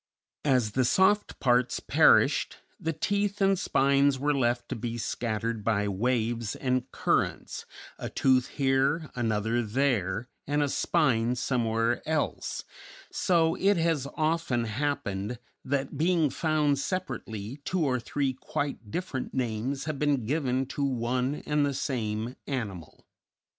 As the soft parts perished the teeth and spines were left to be scattered by waves and currents, a tooth here, another there, and a spine somewhere else; so it has often happened that, being found separately, two or three quite different names have been given to one and the same animal.